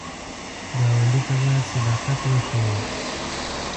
ګاونډي ته باید صداقت وښیو